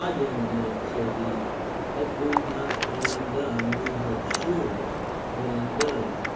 young men, said he, had we not been undone, we had surely been undone.